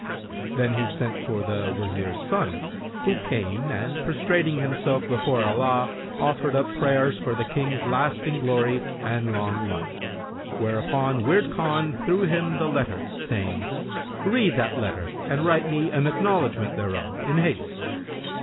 Then he sent for the Wazir's son, who came and prostrating himself before Allah, offered up prayers for the King's lasting glory and long life; whereupon Wird Khan threw him the letter, saying, "Read that letter and write me an acknowledgment thereof in haste."